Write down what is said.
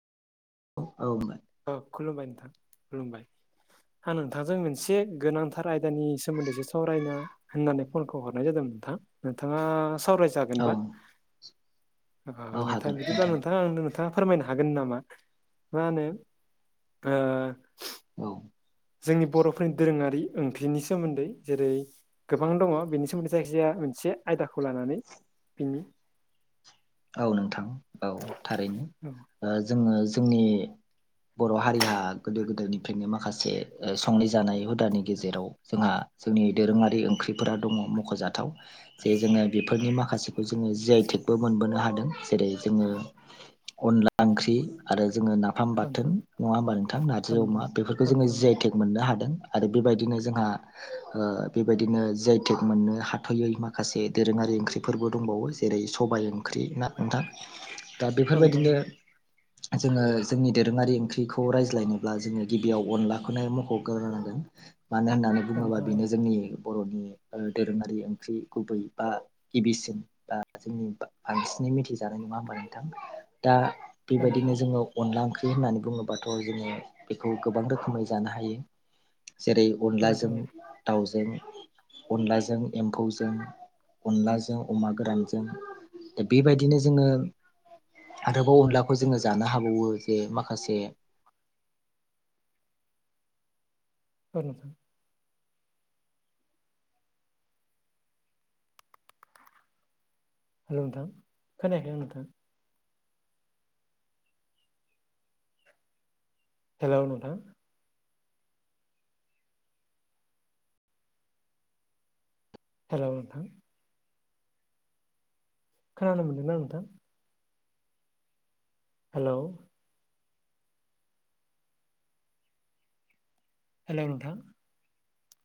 औ औ [unintelligible] औ खुलुमबाय नोंथां खुलुमबाय आं नोंथांजों मोनसे गोनांथार आयदानि सोमोन्दैसो सावरायनो होननानै फनखौ हरनाय जादों नोंथां नोंथांङा सावराय जा औ नोंथां हागोन बि नोंथां [unintelligible] नोंथांङा फोरमायनो हागोन नामा मा होनो ओ ओ औ जोंनि बर'फोरनि दोरोङारि ओंख्रिनि सोमोन्दै जेरै गोबां दङ बेनि सोमोन्दै जायखिजाया मोनसे आयदाखौ लानानै बिनि औ नोंथां औ औ थारैनो जोंङो जोंनि बर' हारिहा गोदो गोदायनिफ्रायनो माखासे संनाय जानाय हुदानि गेजेराव जोंहा जोंनि दोरोङारि ओंख्रिफोरा दंङो मख'जाथाव जे जोंङो बेफोरनि माखासेखौ जोंङो जि आइ थेकबो मोनबोनो हादों जेरै जोंङो अनला ओंख्रि आरो नाफ फाम बाथोन नोंथां नंङा होमबा नोंथां औ नारजि अम नोंथां बेफोरखौ औ जोंङो नोंथां जि आइ औ थेक मोननो हादों आरो बेबायदिनो जोंहा बेबायदिनो जि आइ टेक मोननो हाथ'यै माखासे दोरोंङारि ओंख्रिफोरबो दंबावो जेरै सबाय ओंख्रि ना नोंथां दा नोंथां बेफोरबायदिनो जोंङो जोंनि दोरोङारि ओंख्रिखौ रायज्लायनोब्ला जोंङो गिबियाव अनलाखौनो मख ग्रोनांगोन मानो होननानै औ बुंङोबा नोंथां बेनो औ जोंनि बर'नि दोरोंङारि ओंख्रि गुबै बा गिबिसिन बा जोंनि बांसिनै मिथिजानाय नङा ओमबा नोंथां दा नोंथां बेबायदिनो जोङो अनला ओंख्रि होननानै बुङोबाथ' जोङो बेखौ गोबां रोखोमै जानो हायो जेरै औ नोंथां अनलाजों दाउजों अनलाजों एम्फौजों अनलाजों अमा गोरानजों दा बेबायदिनो जोङो आरोबाव अनलाखौ जोङो जानो हाबावो जे माखासे औ नोंथां हेल' नोंथां खोनायाखै नोंथां हेल' नोंथां हेल' नोंथां खोनानो मोनदोंना नोंथां हेलौ हेलौ नोंथां